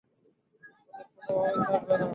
ওদের কোনভাবেই ছাড়বে না।